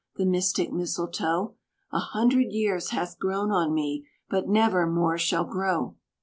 the mystic Mistletoe A hundred years hath grown on me, but never more shall grow."